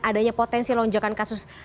adanya potensi lonjakan kasus